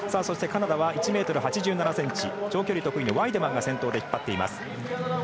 そして、カナダは１ｍ８７ｃｍ長距離得意のワイデマンが先頭で引っ張っています。